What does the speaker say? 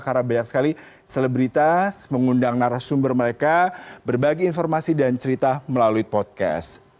karena banyak sekali selebritas mengundang narasumber mereka berbagi informasi dan cerita melalui podcast